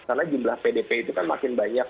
karena jumlah pdp itu kan makin banyak